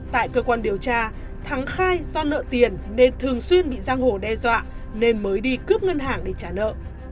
tại cơ quan điều tra thắng khai do nợ tiền nên thường xuyên bị giang hổ đe dọa nên mới đi cướp ngân hàng để trả nợ